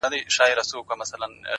چي زه به څرنگه و غېږ ته د جانان ورځمه ـ